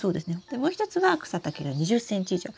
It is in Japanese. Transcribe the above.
でもう一つは草丈が２０ｃｍ以上。